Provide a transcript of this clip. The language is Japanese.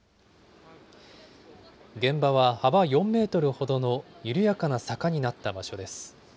現場は幅４メートルほどの緩やかな坂になった場所です。